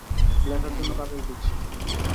লেখার জন্য কাগজ দিচ্ছি।